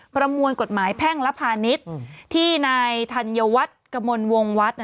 ประมวลกฎหมายแพ่งรัฐพาณิชย์ที่ในธันเยาวัตรกระมลวงวัตร